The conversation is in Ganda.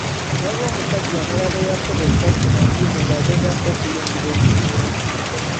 Waliwo omusajja omulala eyakubwa essasi mu nkizi ng’agezaako okuyingira ekizimbe .